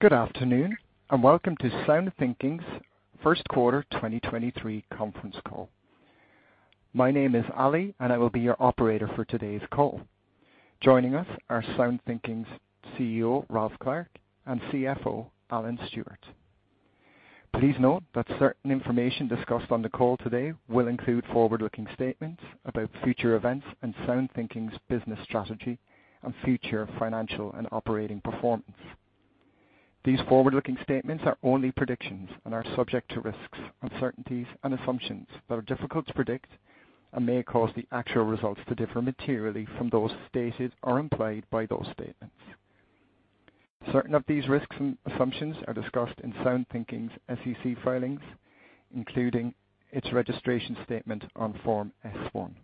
Good afternoon, and welcome to SoundThinking's first quarter 2023 conference call. My name is Ali, and I will be your operator for today's call. Joining us are SoundThinking's CEO, Ralph Clark, and CFO, Alan Stewart. Please note that certain information discussed on the call today will include forward-looking statements about future events and SoundThinking's business strategy and future financial and operating performance. These forward-looking statements are only predictions and are subject to risks, uncertainties, and assumptions that are difficult to predict and may cause the actual results to differ materially from those stated or implied by those statements. Certain of these risks and assumptions are discussed in SoundThinking's SEC filings, including its registration statement on Form S-1.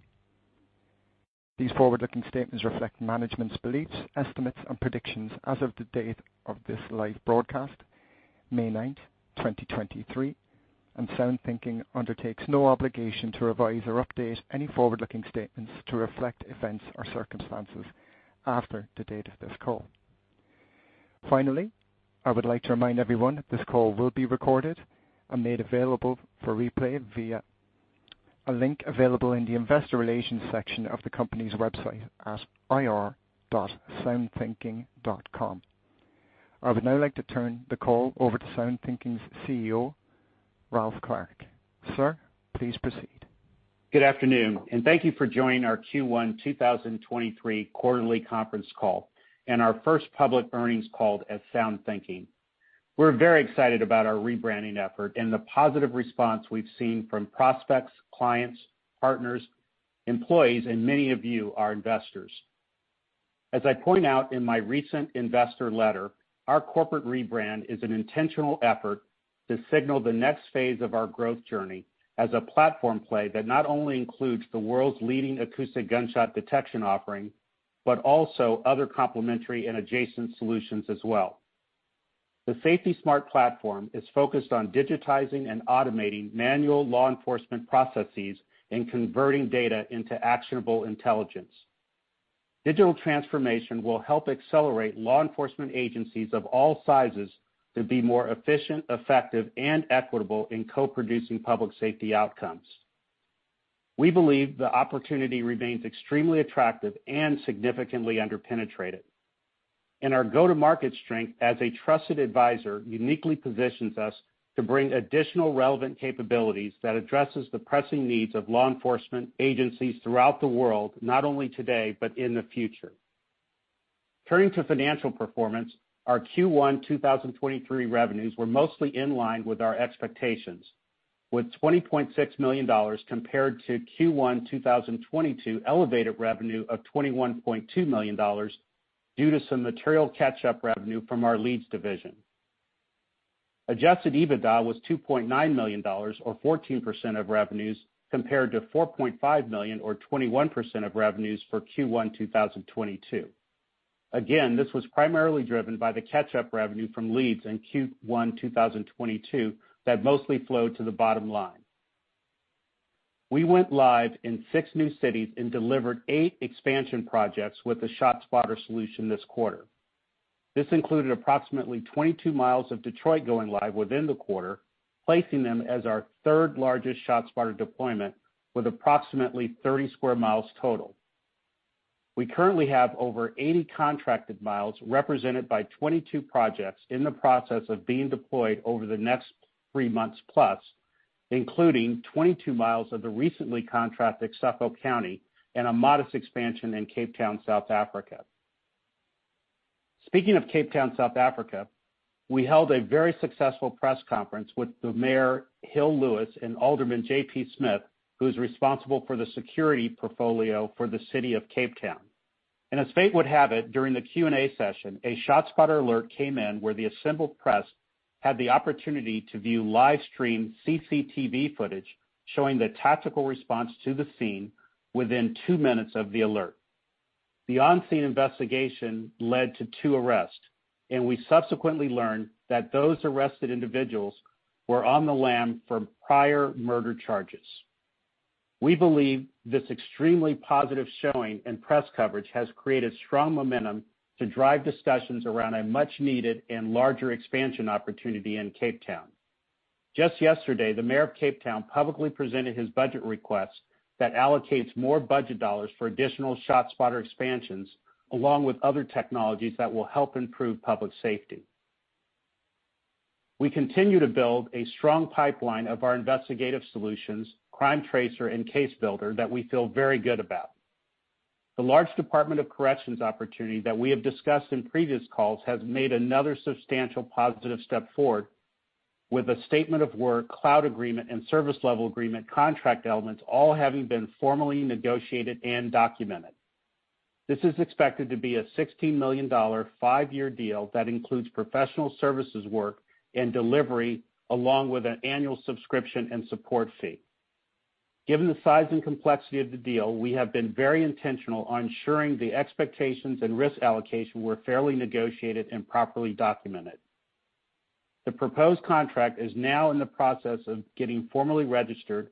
These forward-looking statements reflect management's beliefs, estimates, and predictions as of the date of this live broadcast, May 9th, 2023, and SoundThinking undertakes no obligation to revise or update any forward-looking statements to reflect events or circumstances after the date of this call. Finally, I would like to remind everyone this call will be recorded and made available for replay via a link available in the investor relations section of the company's website at ir.soundthinking.com. I would now like to turn the call over to SoundThinking's CEO, Ralph Clark. Sir, please proceed. Good afternoon, thank you for joining our Q-one 2023 quarterly conference call and our first public earnings call as SoundThinking. We're very excited about our rebranding effort and the positive response we've seen from prospects, clients, partners, employees, and many of you, our investors. As I point out in my recent investor letter, our corporate rebrand is an intentional effort to signal the next phase of our growth journey as a platform play that not only includes the world's leading acoustic gunshot detection offering, but also other complementary and adjacent solutions as well. The SafetySmart platform is focused on digitizing and automating manual law enforcement processes and converting data into actionable intelligence. Digital transformation will help accelerate law enforcement agencies of all sizes to be more efficient, effective, and equitable in co-producing public safety outcomes. We believe the opportunity remains extremely attractive and significantly under-penetrated, and our go-to-market strength as a trusted advisor uniquely positions us to bring additional relevant capabilities that addresses the pressing needs of law enforcement agencies throughout the world, not only today, but in the future. Turning to financial performance, our Q1 2023 revenues were mostly in line with our expectations, with $20.6 million compared to Q1 2022 elevated revenue of $21.2 million due to some material catch-up revenue from our LEEDS solution. Adjusted EBITDA was $2.9 million or 14% of revenues compared to $4.5 million or 21% of revenues for Q1 2022. Again, this was primarily driven by the catch-up revenue from LEEDS in Q1 2022 that mostly flowed to the bottom line. We went live in six new cities and delivered eight expansion projects with the ShotSpotter solution this quarter. This included approximately 22 sq mi of Detroit going live within the quarter, placing them as our third-largest ShotSpotter deployment with approximately 30 sq mi total. We currently have over 80 contracted miles represented by 22 projects in the process of being deployed over the next three months plus, including 22 sq mi of the recently contracted Suffolk County and a modest expansion in Cape Town, South Africa. Speaking of Cape Town, South Africa, we held a very successful press conference with the Mayor Hill-Lewis and Alderman JP Smith, who's responsible for the security portfolio for the City of Cape Town. As fate would have it, during the Q&A session, a ShotSpotter alert came in where the assembled press had the opportunity to view live stream CCTV footage showing the tactical response to the scene within two minutes of the alert. The on-scene investigation led to two arrests, and we subsequently learned that those arrested individuals were on the lam for prior murder charges. We believe this extremely positive showing and press coverage has created strong momentum to drive discussions around a much-needed and larger expansion opportunity in Cape Town. Just yesterday, the mayor of Cape Town publicly presented his budget request that allocates more budget dollars for additional ShotSpotter expansions, along with other technologies that will help improve public safety. We continue to build a strong pipeline of our investigative solutions, CrimeTracer and CaseBuilder, that we feel very good about. The large Department of Corrections opportunity that we have discussed in previous calls has made another substantial positive step forward with a statement of work, cloud agreement, and service level agreement contract elements all having been formally negotiated and documented. This is expected to be a $16 million five-year deal that includes professional services work and delivery along with an annual subscription and support fee. Given the size and complexity of the deal, we have been very intentional on ensuring the expectations and risk allocation were fairly negotiated and properly documented. The proposed contract is now in the process of getting formally registered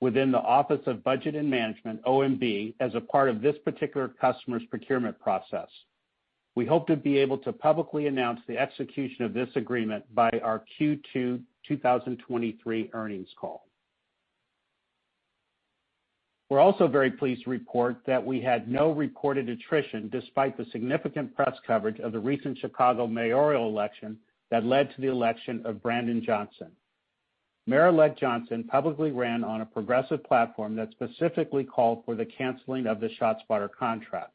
within the Office of Management and Budget, OMB, as a part of this particular customer's procurement process. We hope to be able to publicly announce the execution of this agreement by our Q2, 2023 earnings call. We're also very pleased to report that we had no recorded attrition despite the significant press coverage of the recent Chicago mayoral election that led to the election of Brandon Johnson. Mayor-elect Johnson publicly ran on a progressive platform that specifically called for the canceling of the ShotSpotter contract.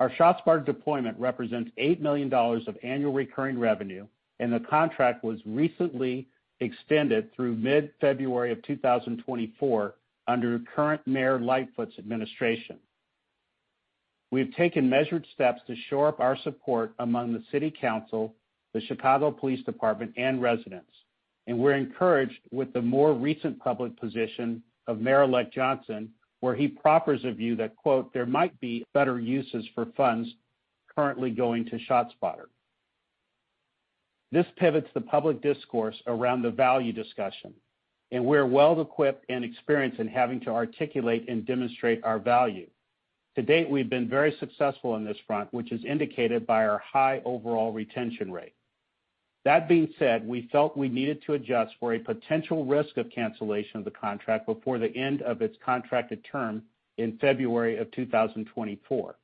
Our ShotSpotter deployment represents $8 million of annual recurring revenue, and the contract was recently extended through mid-February of 2024 under current Mayor Lightfoot's administration. We have taken measured steps to shore up our support among the city council, the Chicago Police Department, and residents, and we're encouraged with the more recent public position of Mayor-elect Johnson, where he proffers a view that, quote, "There might be better uses for funds currently going to ShotSpotter." This pivots the public discourse around the value discussion, and we're well equipped and experienced in having to articulate and demonstrate our value. To date, we've been very successful on this front, which is indicated by our high overall retention rate. That being said, we felt we needed to adjust for a potential risk of cancellation of the contract before the end of its contracted term in February of 2024.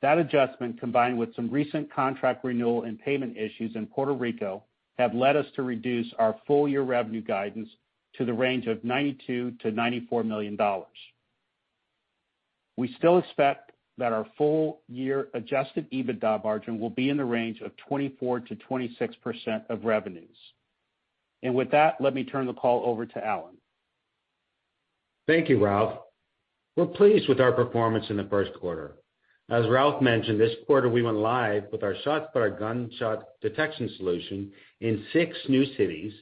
That adjustment, combined with some recent contract renewal and payment issues in Puerto Rico, have led us to reduce our full-year revenue guidance to the range of $92 million-$94 million. We still expect that our full-year Adjusted EBITDA margin will be in the range of 24%-26% of revenues. With that, let me turn the call over to Alan. Thank you, Ralph. We're pleased with our performance in the first quarter. As Ralph mentioned, this quarter we went live with our ShotSpotter gunshot detection solution in six new cities,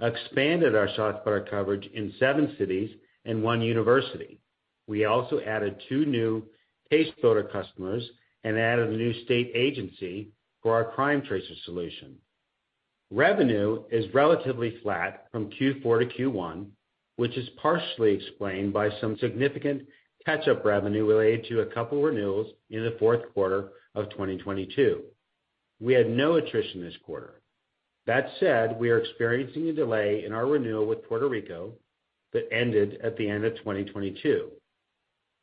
expanded our ShotSpotter coverage in seven cities and one university. We also added two new CaseBuilder customers and added one new state agency for our CrimeTracer solution. Revenue is relatively flat from Q4 to Q1, which is partially explained by some significant catch-up revenue related to a couple renewals in the fourth quarter of 2022. We had no attrition this quarter. That said, we are experiencing a delay in our renewal with Puerto Rico that ended at the end of 2022.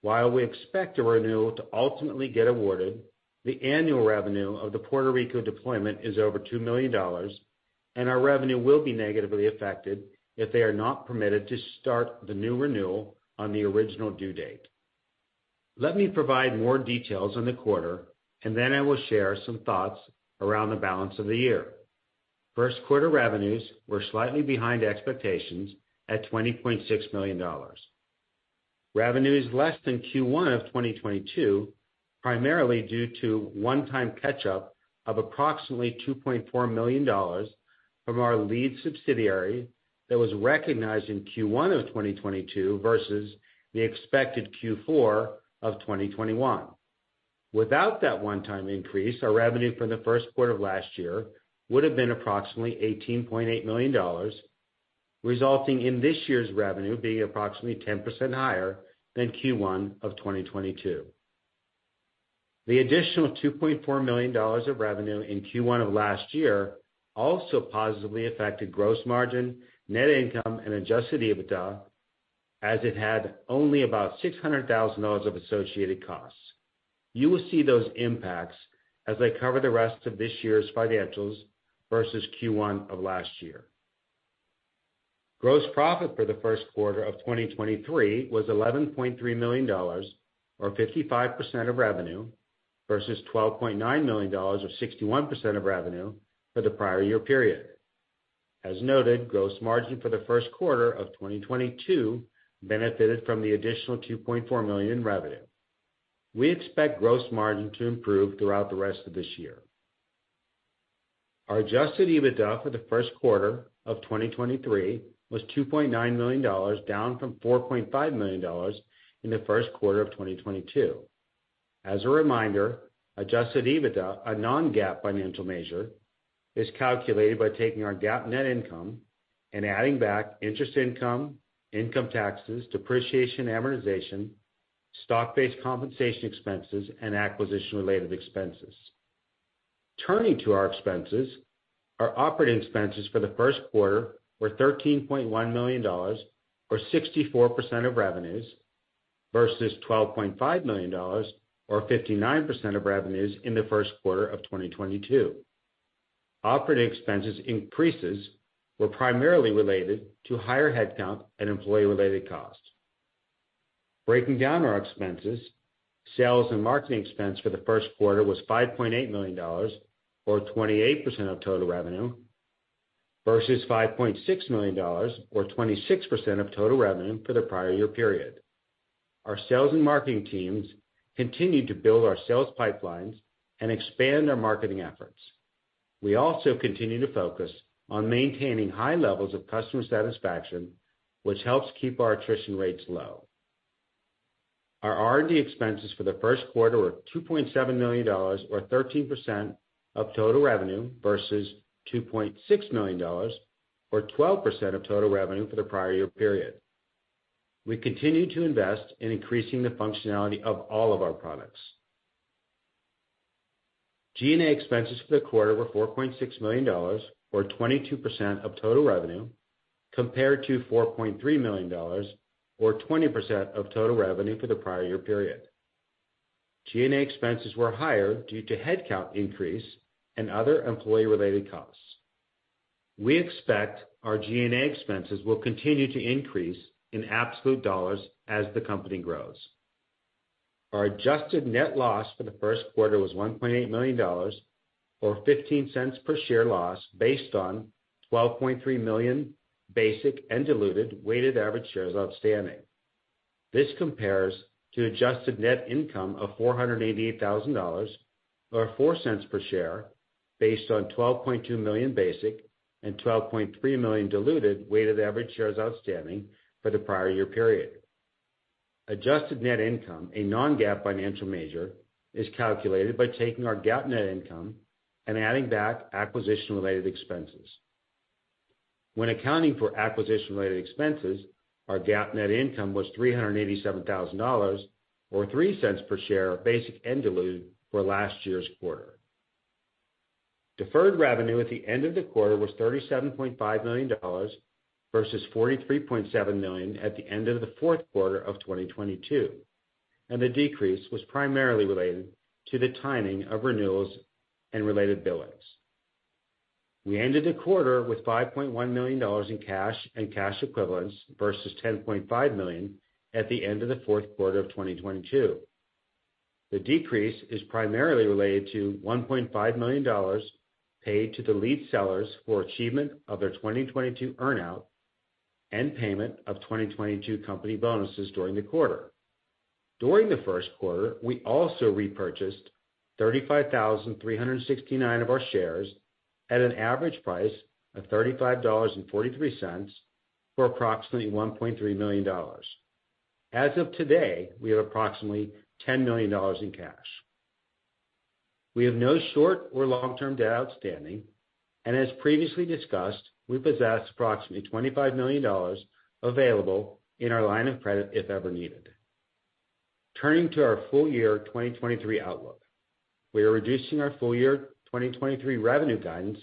While we expect a renewal to ultimately get awarded, the annual revenue of the Puerto Rico deployment is over $2 million, and our revenue will be negatively affected if they are not permitted to start the new renewal on the original due date. Let me provide more details on the quarter, and then I will share some thoughts around the balance of the year. First quarter revenues were slightly behind expectations at $20.6 million. Revenue is less than Q1 of 2022, primarily due to one-time catch-up of approximately $2.4 million from our lead subsidiary that was recognized in Q1 of 2022 versus the expected Q4 of 2021. Without that one-time increase, our revenue from the first quarter of last year would have been approximately $18.8 million, resulting in this year's revenue being approximately 10% higher than Q1 of 2022. The additional $2.4 million of revenue in Q1 of last year also positively affected gross margin, net income, and Adjusted EBITDA, as it had only about $600,000 of associated costs. You will see those impacts as I cover the rest of this year's financials versus Q1 of last year. Gross profit for the first quarter of 2023 was $11.3 million or 55% of revenue versus $12.9 million or 61% of revenue for the prior year period. As noted, gross margin for the first quarter of 2022 benefited from the additional $2.4 million in revenue. We expect gross margin to improve throughout the rest of this year. Our Adjusted EBITDA for the first quarter of 2023 was $2.9 million, down from $4.5 million in the first quarter of 2022. As a reminder, Adjusted EBITDA, a non-GAAP financial measure, is calculated by taking our GAAP net income and adding back interest income taxes, depreciation, amortization, stock-based compensation expenses, and acquisition related expenses. Turning to our expenses, our operating expenses for the first quarter were $13.1 million or 64% of revenues versus $12.5 million or 59% of revenues in the first quarter of 2022. Operating expenses increases were primarily related to higher headcount and employee related costs. Breaking down our expenses, sales and marketing expense for the first quarter was $5.8 million or 28% of total revenue versus $5.6 million or 26% of total revenue for the prior year period. Our sales and marketing teams continued to build our sales pipelines and expand our marketing efforts. We also continue to focus on maintaining high levels of customer satisfaction, which helps keep our attrition rates low. Our R&D expenses for the first quarter were $2.7 million, or 13% of total revenue, versus $2.6 million, or 12% of total revenue for the prior year period. We continue to invest in increasing the functionality of all of our products. G&A expenses for the quarter were $4.6 million, or 22% of total revenue, compared to $4.3 million, or 20% of total revenue for the prior year period. G&A expenses were higher due to headcount increase and other employee-related costs. We expect our G&A expenses will continue to increase in absolute dollars as the company grows. Our adjusted net loss for the first quarter was $1.8 million, or $0.15 per share loss, based on 12.3 million basic and diluted weighted average shares outstanding. This compares to adjusted net income of $488,000, or $0.04 per share, based on 12.2 million basic and 12.3 million diluted weighted average shares outstanding for the prior year period. Adjusted net income, a non-GAAP financial measure, is calculated by taking our GAAP net income and adding back acquisition-related expenses. When accounting for acquisition-related expenses, our GAAP net income was $387,000 or $0.03 per share basic and diluted for last year's quarter. Deferred revenue at the end of the quarter was $37.5 million versus $43.7 million at the end of the fourth quarter of 2022. The decrease was primarily related to the timing of renewals and related billings. We ended the quarter with $5.1 million in cash and cash equivalents versus $10.5 million at the end of the fourth quarter of 2022. The decrease is primarily related to $1.5 million paid to the LEEDS sellers for achievement of their 2022 earn-out and payment of 2022 company bonuses during the quarter. During the first quarter, we also repurchased 35,369 of our shares at an average price of $35.43 for approximately $1.3 million. As of today, we have approximately $10 million in cash. We have no short or long-term debt outstanding, and as previously discussed, we possess approximately $25 million available in our line of credit if ever needed. Turning to our full year 2023 outlook. We are reducing our full year 2023 revenue guidance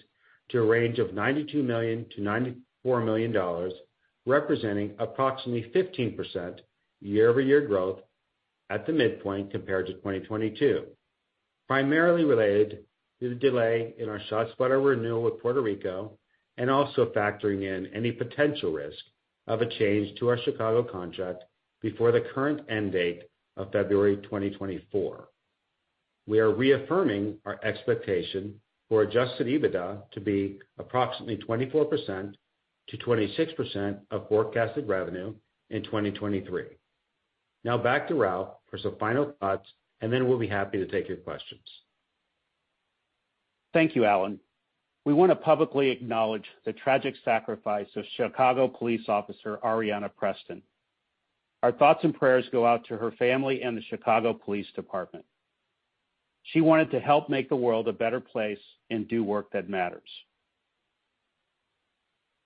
to a range of $92 million-$94 million, representing approximately 15% year-over-year growth at the midpoint compared to 2022, primarily related to the delay in our ShotSpotter renewal with Puerto Rico and also factoring in any potential risk of a change to our Chicago contract before the current end date of February 2024. We are reaffirming our expectation for Adjusted EBITDA to be approximately 24%-26% of forecasted revenue in 2023. Now back to Ralph for some final thoughts, and then we'll be happy to take your questions. Thank you, Alan. We want to publicly acknowledge the tragic sacrifice of Chicago police officer Aréanah Preston. Our thoughts and prayers go out to her family and the Chicago Police Department. She wanted to help make the world a better place and do work that matters.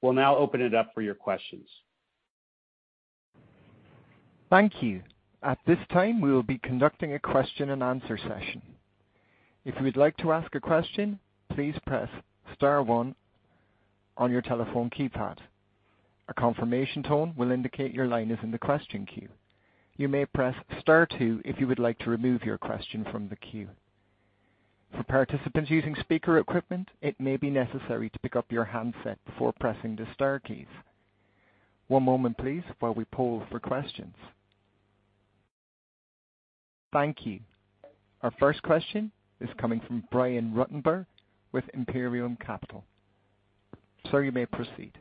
We'll now open it up for your questions. Thank you. At this time, we will be conducting a question and answer session. If you would like to ask a question, please press star one on your telephone keypad. A confirmation tone will indicate your line is in the question queue. You may press star two if you would like to remove your question from the queue. For participants using speaker equipment, it may be necessary to pick up your handset before pressing the star keys. One moment, please, while we poll for questions. Thank you. Our first question is coming from Brian Ruttenbur with Imperial Capital. Sir, you may proceed.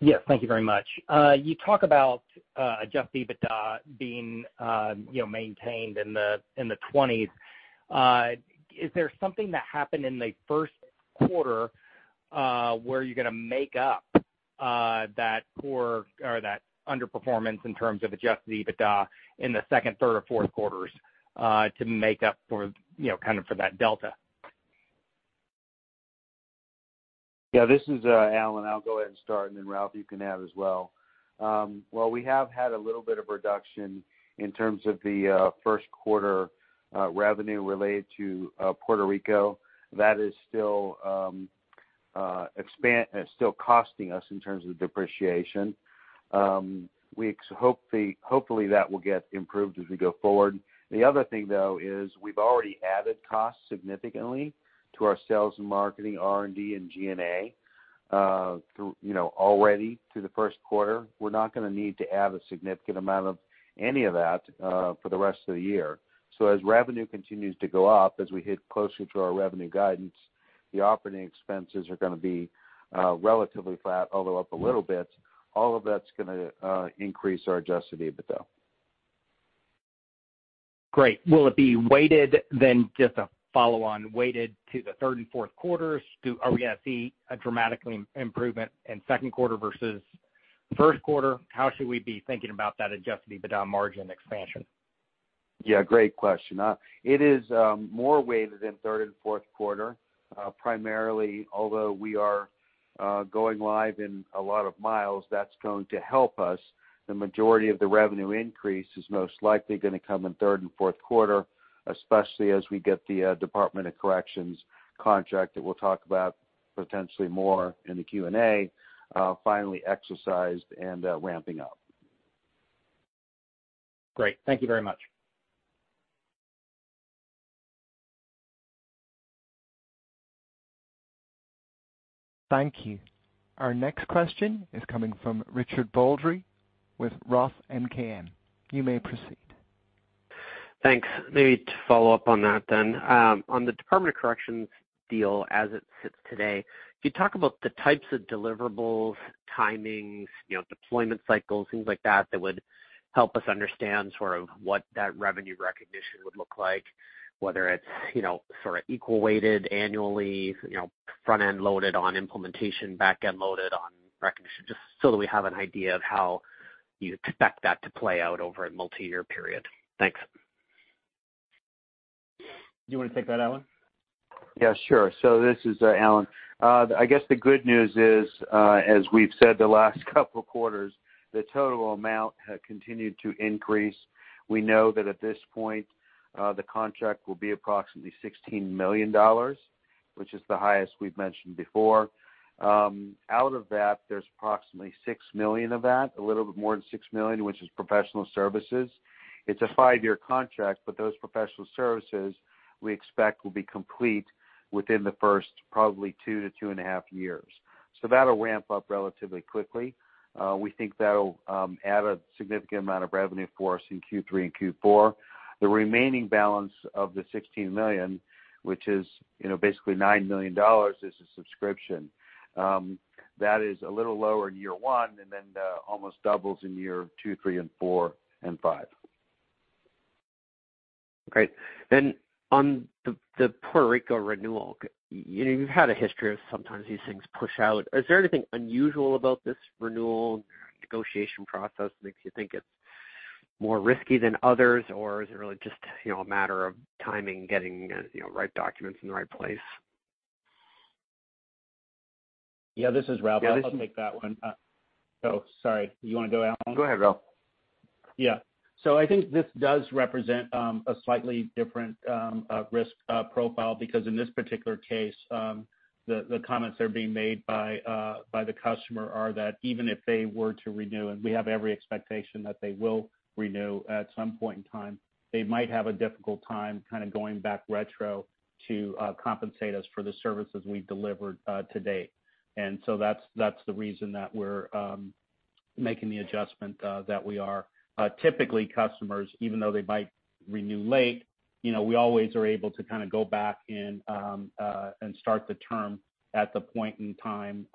Yes, thank you very much. You talk about adjusted EBITDA being, you know, maintained in the 20s. Is there something that happened in the first quarter where you're gonna make up that poor or that underperformance in terms of adjusted EBITDA in the second, third, or fourth quarters to make up for, you know, kind of for that delta? This is Alan. I'll go ahead and start, and then Ralph, you can add as well. While we have had a little bit of reduction in terms of the first quarter revenue related to Puerto Rico, that is still costing us in terms of depreciation. Hopefully, that will get improved as we go forward. The other thing, though, is we've already added costs significantly to our sales and marketing, R&D, and G&A, through, you know, already through the first quarter. We're not gonna need to add a significant amount of any of that for the rest of the year. As revenue continues to go up, as we hit closer to our revenue guidance, the operating expenses are gonna be relatively flat, although up a little bit. All of that's gonna increase our Adjusted EBITDA. Great. Will it be weighted then, just a follow on, weighted to the third and fourth quarters? Are we gonna see a dramatic improvement in second quarter versus first quarter? How should we be thinking about that Adjusted EBITDA margin expansion? Great question. It is more weighted in third and fourth quarter primarily, although we are going live in a lot of miles, that's going to help us. The majority of the revenue increase is most likely gonna come in third and fourth quarter, especially as we get the Department of Corrections contract that we'll talk about potentially more in the Q&A finally exercised and ramping up. Great. Thank you very much. Thank you. Our next question is coming from Richard Baldry with ROTH MKM. You may proceed. Thanks. Maybe to follow up on that. On the Department of Corrections deal as it sits today, could you talk about the types of deliverables, timings, you know, deployment cycles, things like that would help us understand sort of what that revenue recognition would look like, whether it's, you know, sort of equal weighted annually, you know, front-end loaded on implementation, back-end loaded on recognition, just so that we have an idea of how you expect that to play out over a multiyear period? Thanks. Do you wanna take that, Alan? Yeah, sure. This is Alan. I guess the good news is, as we've said the last couple of quarters, the total amount has continued to increase. We know that at this point, the contract will be approximately $16 million, which is the highest we've mentioned before. Out of that, there's approximately $6 million of that, a little bit more than $6 million, which is professional services. It's a five-year contract, but those professional services we expect will be complete within the first probably two to two and a half years. That'll ramp up relatively quickly. We think that'll add a significant amount of revenue for us in Q3 and Q4. The remaining balance of the $16 million, which is, you know, basically $9 million, is a subscription. That is a little lower in year one, and then, almost doubles in year two, three, four, and five. Great. On the Puerto Rico renewal, you know, you've had a history of sometimes these things push out. Is there anything unusual about this renewal negotiation process that makes you think it's more risky than others? Or is it really just, you know, a matter of timing, getting, you know, right documents in the right place? Yeah, this is Ralph. Yeah. I'll take that one. Oh, sorry. You wanna go, Alan? Go ahead, Ralph. Yeah. I think this does represent a slightly different risk profile because in this particular case, the comments that are being made by the customer are that even if they were to renew, and we have every expectation that they will renew at some point in time, they might have a difficult time kinda going back retro to compensate us for the services we've delivered to date. That's the reason that we're making the adjustment that we are. Typically customers, even though they might renew late, you know, we always are able to kinda go back and start the term at the point in time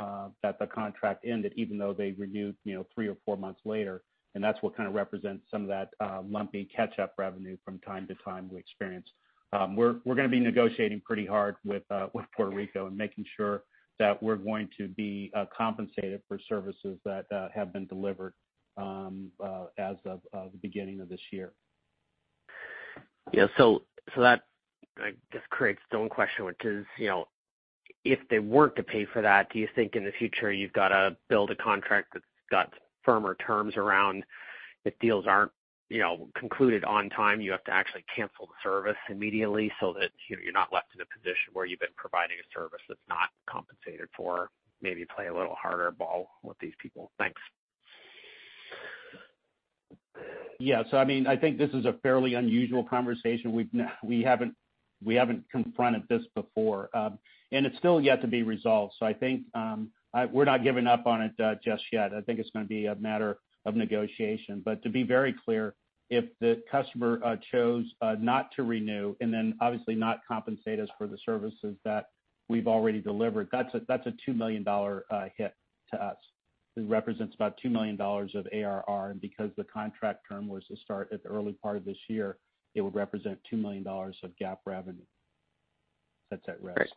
that the contract ended, even though they renewed, you know, three or four months later. That's what kinda represents some of that lumpy catch-up revenue from time to time we experience. We're gonna be negotiating pretty hard with Puerto Rico and making sure that we're going to be compensated for services that have been delivered as of the beginning of this year. Yeah. That, I guess, creates its own question, which is, you know, if they weren't to pay for that, do you think in the future you've gotta build a contract that's got firmer terms around if deals aren't, you know, concluded on time, you have to actually cancel the service immediately so that, you know, you're not left in a position where you've been providing a service that's not compensated for, maybe play a little harder ball with these people? Thanks. I mean, I think this is a fairly unusual conversation. We haven't confronted this before. It's still yet to be resolved. I think, we're not giving up on it just yet. I think it's gonna be a matter of negotiation. To be very clear, if the customer chose not to renew and then obviously not compensate us for the services that we've already delivered, that's a $2 million hit to us. It represents about $2 million of ARR. Because the contract term was to start at the early part of this year, it would represent $2 million of GAAP revenue that's at risk. Great.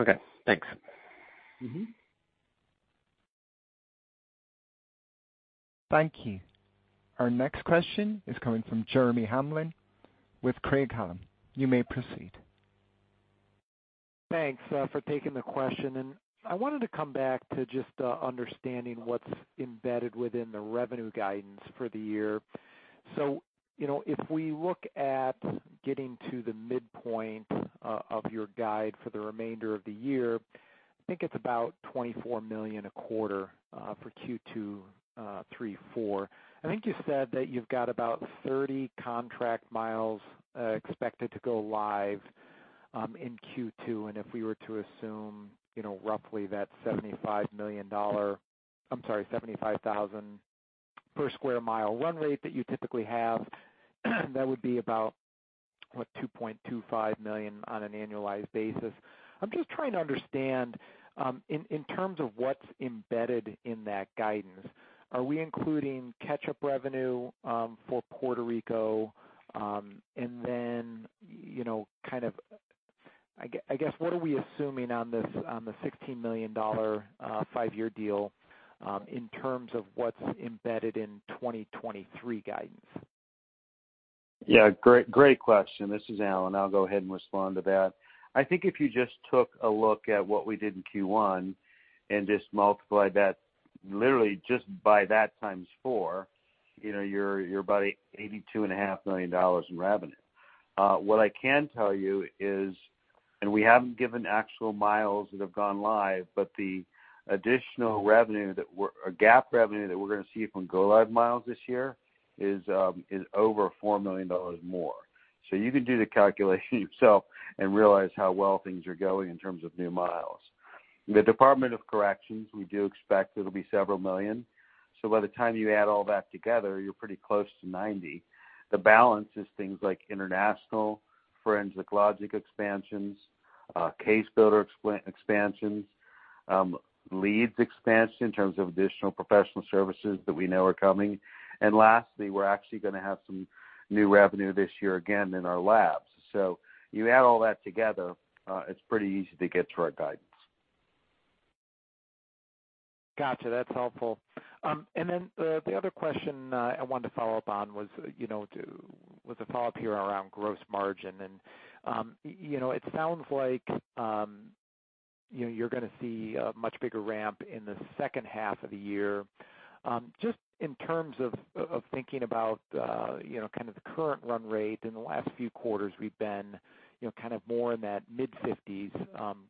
Okay, thanks. Mm-hmm. Thank you. Our next question is coming from Jeremy Hamblin with Craig-Hallum. You may proceed. Thanks for taking the question. I wanted to come back to just understanding what's embedded within the revenue guidance for the year. You know, if we look at getting to the midpoint of your guide for the remainder of the year, I think it's about $24 million a quarter for Q2, Q3, Q4. I think you said that you've got about 30 contract miles expected to go live in Q2. If we were to assume, you know, roughly that $75 thousand per square mile run rate that you typically have, that would be about What, $2.25 million on an annualized basis. I'm just trying to understand, in terms of what's embedded in that guidance, are we including catch-up revenue for Puerto Rico? you know, kind of I guess, what are we assuming on this, on the $16 million, five-year deal, in terms of what's embedded in 2023 guidance? Yeah. Great question. This is Alan. I'll go ahead and respond to that. I think if you just took a look at what we did in Q1 and just multiply that literally just by that 4x, you know, you're about $82.5 million in revenue. What I can tell you is, we haven't given actual miles that have gone live, but the additional revenue that or GAAP revenue that we're gonna see from go live miles this year is over $4 million more. You can do the calculation yourself and realize how well things are going in terms of new miles. The Department of Corrections, we do expect it'll be several million dollars. By the time you add all that together, you're pretty close to $90 million. The balance is things like international, Forensic Logic expansions, CaseBuilder expansions, LEEDS expansion in terms of additional professional services that we know are coming. Lastly, we're actually gonna have some new revenue this year again in our labs. You add all that together, it's pretty easy to get to our guidance. Gotcha. That's helpful. Then, the other question I wanted to follow up on was, you know, was a follow-up here around gross margin. You, you're gonna see a much bigger ramp in the second half of the year. Just in terms of thinking about, you know, kind of the current run rate in the last few quarters, we've been, you know, kind of more in that mid-50s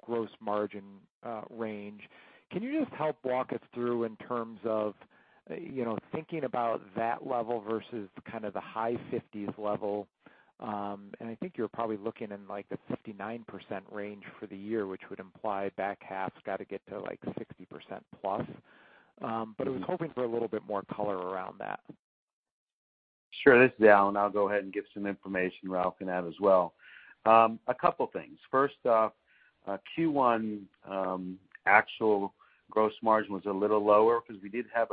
gross margin range. Can you just help walk us through in terms of, you know, thinking about that level versus kind of the high 50s level? I think you're probably looking in, like, the 59% range for the year, which would imply back half's gotta get to, like, 60%+. I was hoping for a little bit more color around that. Sure. This is Alan. I'll go ahead and give some information. Ralph can add as well. A couple things. First off, Q1, actual gross margin was a little lower because we did have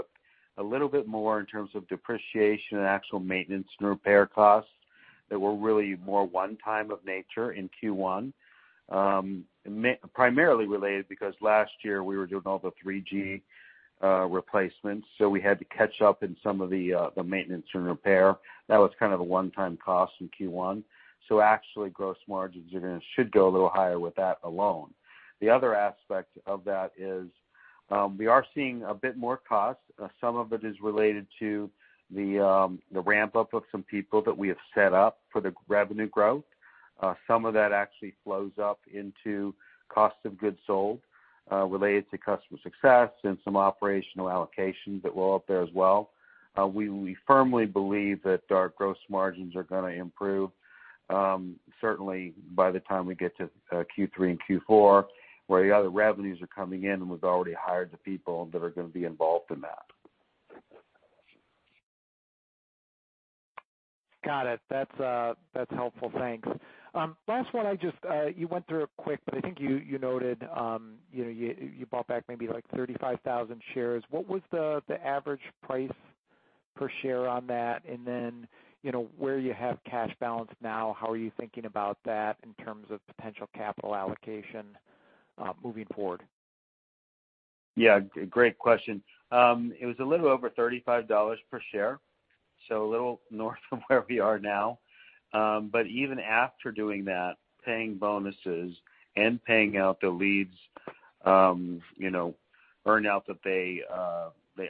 a little bit more in terms of depreciation and actual maintenance and repair costs that were really more one-time in nature in Q1. Primarily related because last year we were doing all the 3G replacements, so we had to catch up in some of the maintenance and repair. That was kind of a one-time cost in Q1. Actually, gross margins should go a little higher with that alone. The other aspect of that is, we are seeing a bit more cost. Some of it is related to the ramp-up of some people that we have set up for the revenue growth. Some of that actually flows up into cost of goods sold related to customer success and some operational allocations that were up there as well. We firmly believe that our gross margins are gonna improve, certainly by the time we get to Q3 and Q4, where the other revenues are coming in, and we've already hired the people that are gonna be involved in that. Got it. That's, that's helpful. Thanks. Last one I just, you went through it quick, but I think you noted, you know, you bought back maybe, like, 35,000 shares. What was the average price per share on that? Then, you know, where you have cash balance now, how are you thinking about that in terms of potential capital allocation, moving forward? Yeah, great question. It was a little over $35 per share, so a little north of where we are now. Even after doing that, paying bonuses and paying out the LEEDS, you know, earn out that they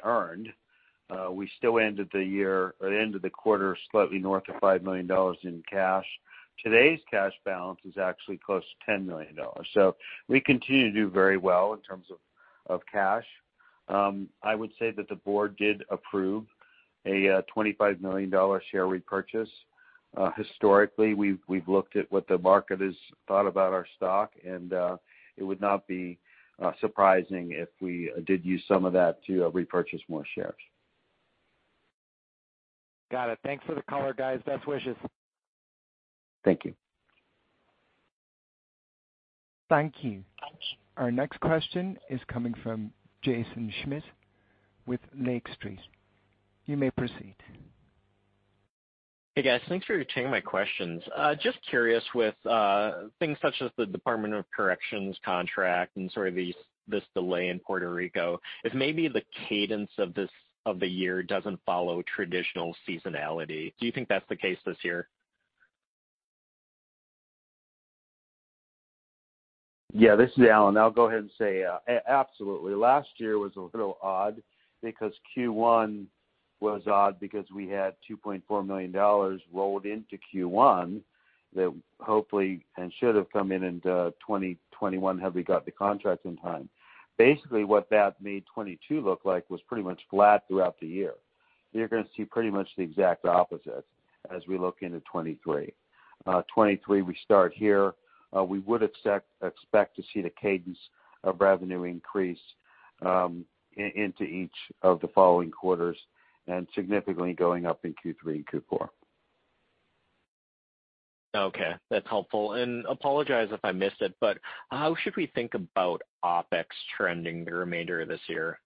earned, we still ended the year or ended the quarter slightly north of $5 million in cash. Today's cash balance is actually close to $10 million. We continue to do very well in terms of cash. I would say that the board did approve a $25 million share repurchase. Historically, we've looked at what the market has thought about our stock, and it would not be surprising if we did use some of that to repurchase more shares. Got it. Thanks for the color, guys. Best wishes. Thank you. Thank you. Our next question is coming from Jaeson Schmidt with Lake Street. You may proceed. Hey, guys. Thanks for taking my questions. Just curious with things such as the Department of Corrections contract and sort of these, this delay in Puerto Rico, if maybe the cadence of the year doesn't follow traditional seasonality, do you think that's the case this year? Yeah, this is Alan. I'll go ahead and say, absolutely. Last year was a little odd because Q1 was odd because we had $2.4 million rolled into Q1 that hopefully and should have come in in 2021 had we got the contract in time. Basically, what that made 2022 look like was pretty much flat throughout the year. You're gonna see pretty much the exact opposite as we look into 2023. 2023, we start here. We would expect to see the cadence of revenue increase into each of the following quarters and significantly going up in Q3 and Q4. Okay, that's helpful. Apologize if I missed it, but how should we think about OpEx trending the remainder of this year?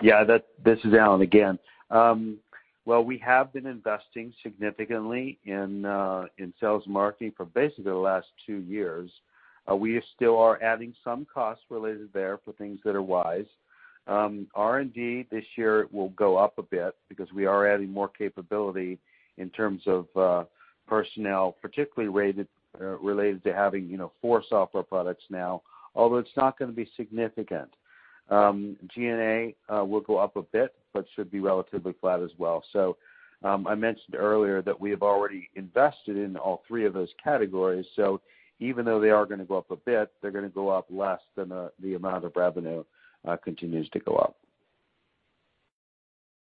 Yeah, this is Alan again. Well, we have been investing significantly in sales marketing for basically the last two years. We still are adding some costs related there for things that are wise. R&D this year will go up a bit because we are adding more capability in terms of personnel, particularly related to having, you know, four software products now, although it's not gonna be significant. G&A will go up a bit, but should be relatively flat as well. I mentioned earlier that we have already invested in all three of those categories. Even though they are gonna go up a bit, they're gonna go up less than the amount of revenue continues to go up.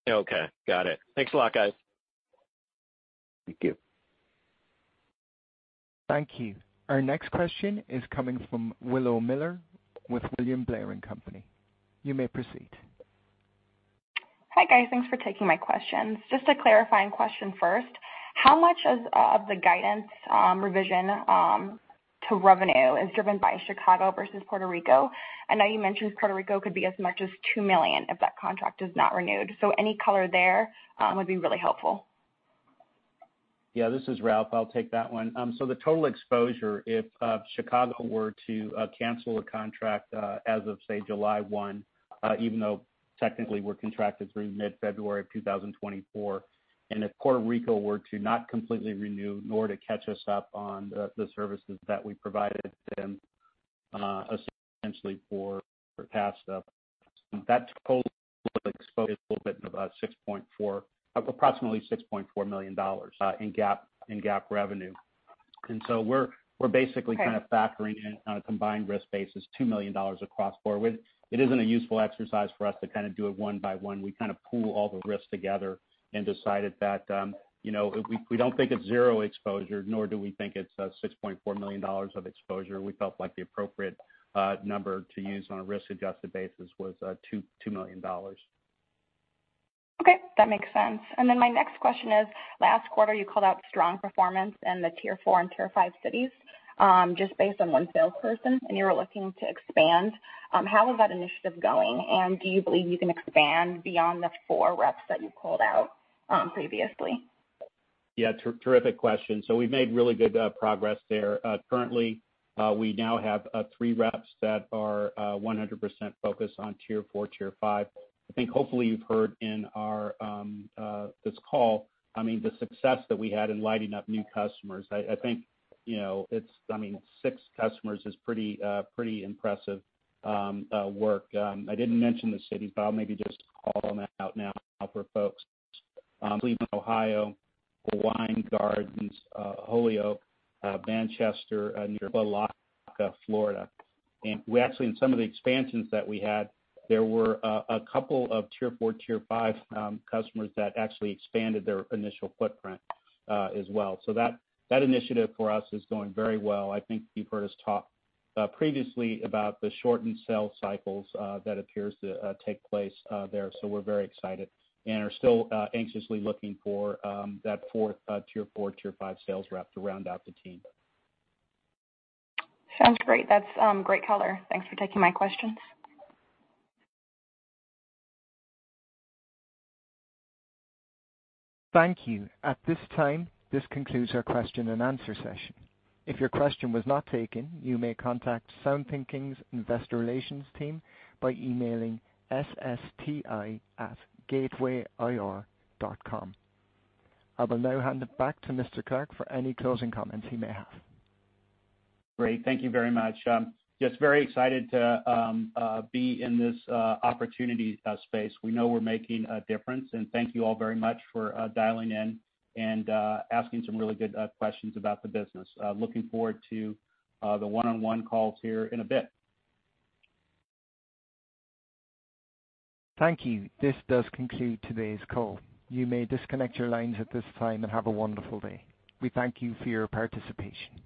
Okay, got it. Thanks a lot, guys. Thank you. Thank you. Our next question is coming from Willow Miller with William Blair & Company. You may proceed. Hi guys. Thanks for taking my questions. Just a clarifying question first. How much of the guidance revision to revenue is driven by Chicago versus Puerto Rico? I know you mentioned Puerto Rico could be as much as $2 million if that contract is not renewed, any color there would be really helpful. Yeah, this is Ralph. I'll take that one. The total exposure, if Chicago were to cancel a contract, as of say, July 1, even though technically we're contracted through mid-February of 2024, if Puerto Rico were to not completely renew nor to catch us up on the services that we provided them, essentially for past stuff, that total exposure is approximately $6.4 million in GAAP revenue. We're basically. Okay. kind of factoring in on a combined risk basis, $2 million across forward. It isn't a useful exercise for us to kind of do it one by one. We kind of pool all the risks together and decided that, you know, we don't think it's zero exposure, nor do we think it's $6.4 million of exposure. We felt like the appropriate number to use on a risk-adjusted basis was $2 million. Okay, that makes sense. My next question is, last quarter you called out strong performance in the Tier 4 and Tier 5 cities, just based on one salesperson, and you were looking to expand. How is that initiative going? Do you believe you can expand beyond the four reps that you called out, previously? Yeah, terrific question. We've made really good progress there. Currently, we now have three reps that are 100% focused on Tier 4, Tier 5. I think hopefully you've heard on this call, I mean, the success that we had in lighting up new customers. I think, you know, it's I mean, six customers is pretty impressive work. I didn't mention the cities, but I'll maybe just call them out now for folks. Cleveland, Ohio, Winter Garden, Hauff, Manchester, near Alafaya, Florida. We actually, in some of the expansions that we had, there were a couple of Tier 4, Tier 5 customers that actually expanded their initial footprint as well. That initiative for us is going very well. I think you've heard us talk previously about the shortened sales cycles that appear to take place there. We're very excited and are still anxiously looking for that fourth Tier 4, Tier 5 sales rep to round out the team. Sounds great. That's great color. Thanks for taking my questions. Thank you. At this time, this concludes our question and answer session. If your question was not taken, you may contact SoundThinking's investor relations team by emailing ssti@gatewayir.com. I will now hand it back to Mr. Clark for any closing comments he may have. Great. Thank you very much. just very excited to be in this opportunity space. We know we're making a difference, and thank you all very much for dialing in and asking some really good questions about the business. Looking forward to the one-on-one calls here in a bit. Thank you. This does conclude today's call. You may disconnect your lines at this time and have a wonderful day. We thank you for your participation.